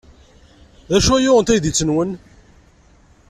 D acu ay yuɣen taydit-nwen?